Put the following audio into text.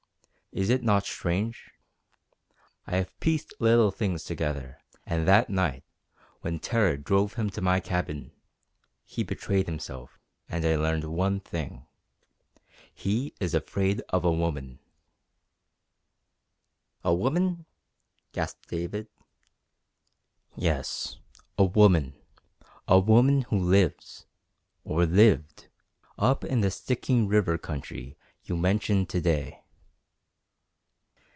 Is it not strange? I have pieced little things together, and that night when terror drove him to my cabin he betrayed himself, and I learned one thing. He is afraid of a woman!" "A woman!" gasped David. "Yes, a woman a woman who lives or lived up in the Stikine River country you mentioned to day."